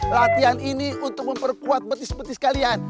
ratihan ini untuk memperkuat betis betis kalian